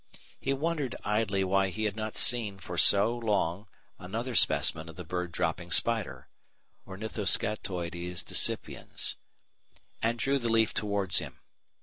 He wondered idly why he had not seen for so long another specimen of the bird dropping spider (Ornithoscatoides decipiens), and drew the leaf towards him.